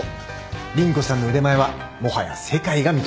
凛子さんの腕前はもはや世界が認めてる。